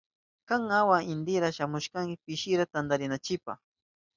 Kan awa intira shamushkanki pishinra tantarinanchipa.